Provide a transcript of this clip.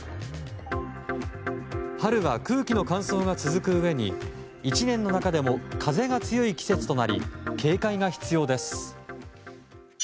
春は空気の乾燥が続くうえに１年の中でも風が強い季節となり警戒が必要です。